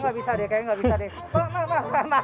kayaknya gak bisa deh